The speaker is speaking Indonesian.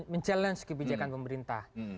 menjelaskan kebijakan pemerintah